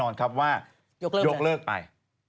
ยกเเลิกไป